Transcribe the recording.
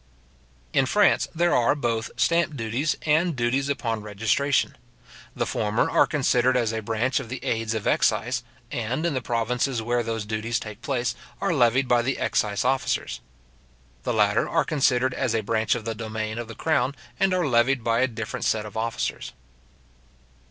In France, there are both stamp duties and duties upon registration. The former are considered as a branch of the aids of excise, and, in the provinces where those duties take place, are levied by the excise officers. The latter are considered as a branch of the domain of the crown and are levied by a different set of officers.